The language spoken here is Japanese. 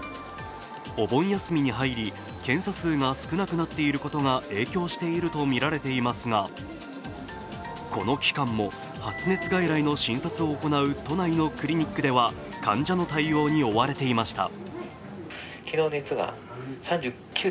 お盆休みに入り、検査数が少なくなっていることが影響しているとみられていますがこの期間も発熱外来の診察を行う都内のクリニックでは患者の対応に追われていました。